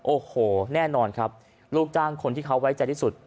โอ้โหแน่นอนครับลูกจ้างคนที่เขาไว้ใจที่สุด